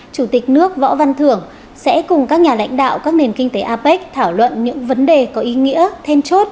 chủ tịch nước võ văn thưởng sẽ cùng các nhà lãnh đạo các nền kinh tế apec thảo luận những vấn đề có ý nghĩa then chốt